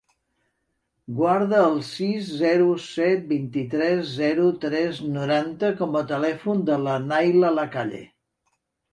Guarda el sis, zero, set, vint-i-tres, zero, tres, noranta com a telèfon de la Nayla Lacalle.